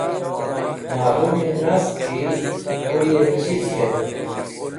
Malumi nast ki kuyẽ chiz k̃htk.